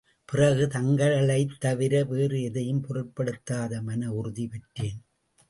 பிறகு, தங்களைத் தவிர வேறு எதையும் பொருட்படுத்தாத மனவுறுதி பெற்றேன்.